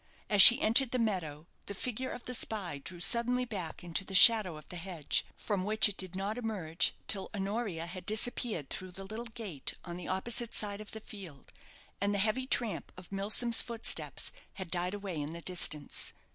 As she entered the meadow, the figure of the spy drew suddenly back into the shadow of the hedge; from which it did not emerge till Honoria had disappeared through the little gate on the opposite side of the field, and the heavy tramp of Milsom's footsteps had died away in the distance.